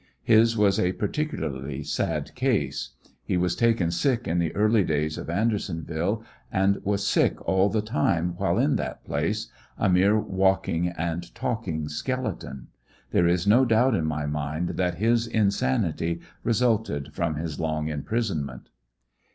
His was a particularly sad case. He was taken sick in the early days of Andersonville and was sick all the time while in that place, a mere walking and talking skeleton. There is no doubt in my mind that his insanity resulted from his long imprisonment.